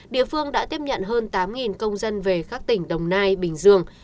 địa phương đã tiếp nhận hơn tám công dân về các tỉnh đồng nai bình dương